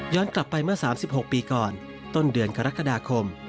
กลับไปเมื่อ๓๖ปีก่อนต้นเดือนกรกฎาคม